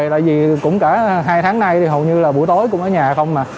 tại vì cũng cả hai tháng nay thì hầu như là buổi tối cũng ở nhà không mà